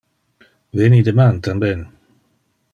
Veni deman tamben!